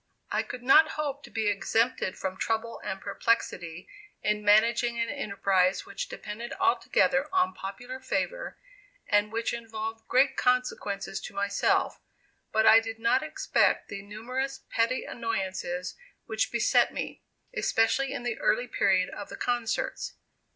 I could not hope to be exempted from trouble and perplexity in managing an enterprise which depended altogether on popular favor, and which involved great consequences to myself; but I did not expect the numerous petty annoyances which beset me, especially in the early period of the concerts.